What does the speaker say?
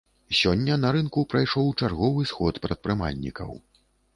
Сёння на рынку прайшоў чарговы сход прадпрымальнікаў.